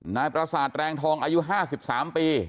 นายประสาทแรงทองอายุ๕๓ปี